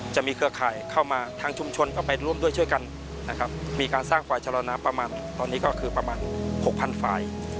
เครือข่ายเข้ามาทางชุมชนก็ไปร่วมด้วยช่วยกันนะครับมีการสร้างฝ่ายชะลอน้ำประมาณตอนนี้ก็คือประมาณ๖๐๐ฝ่าย